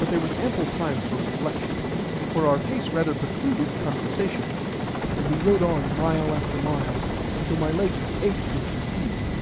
But there was ample time for reflection; for our pace rather precluded conversation, and we rode on, mile after mile, until my legs ached with fatigue.